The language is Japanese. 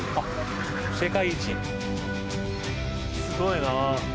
すごいなあ。